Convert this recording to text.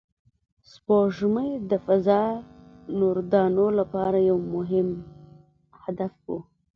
سپوږمۍ د فضانوردانو لپاره یو مهم هدف و